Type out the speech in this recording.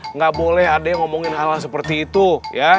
nggak boleh ada yang ngomongin hal hal seperti itu ya